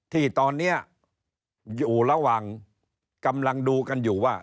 ที่ตอนนี้อยู่ระหว่างกำลังดูกันอยู่ว่า